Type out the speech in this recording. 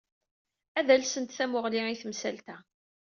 Ad alsent tamuɣli i temsalt-a.